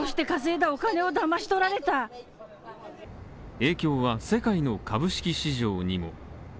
影響は世界の株式市場にも。